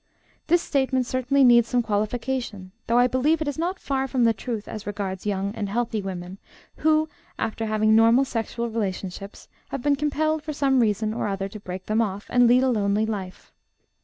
This statement certainly needs some qualification, though I believe it is not far from the truth as regards young and healthy women who, after having normal sexual relationships, have been compelled for some reason or other to break them off and lead a lonely life.